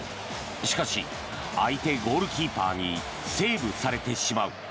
しかし、相手ゴールキーパーにセーブされてしまう。